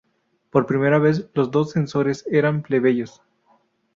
Por primera vez, los dos censores eran plebeyos.